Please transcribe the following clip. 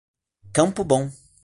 Campo Bom